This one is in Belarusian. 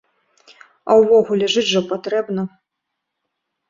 А ўвогуле жыць жа патрэбна.